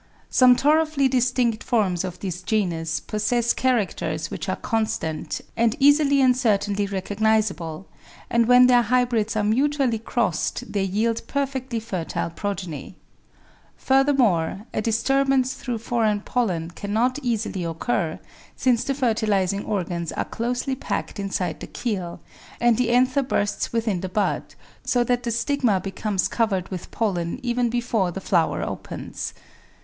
Some thoroughly distinct forms of this genus possess characters which are constant, and easily and certainly recognizable, and when their hybrids are mutually crossed they yield perfectly fertile progeny. Furthermore, a disturbance through foreign pollen cannot easily occur, since the fertilising organs are closely packed inside the keel and the anther bursts within the bud, so that the stigma becomes covered with pollen even before the flower opens.